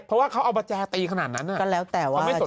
เพราะว่าเขาเอาประแจตีขนาดนั้นน่ะ